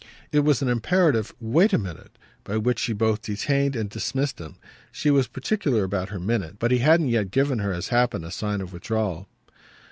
It was an imperative "Wait a minute," by which she both detained and dismissed him; she was particular about her minute, but he hadn't yet given her, as happened, a sign of withdrawal.